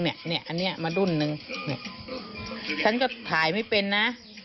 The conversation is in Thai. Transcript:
อันนี้มาดุ้นนึงฉันก็ถ่ายไม่เป็นนะ